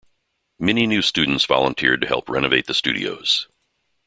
Many new students volunteered to help renovate the studios.